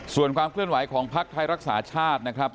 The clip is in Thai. ส่วนความเคลื่อนไหวของภักดิ์ไทยรักษาชาตินะครับ